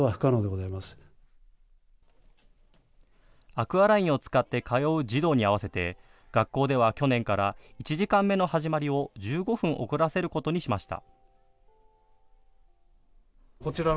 アクアラインを使って通う児童に合わせて学校では去年から１時間目の始まりを１５分遅らせることにしました。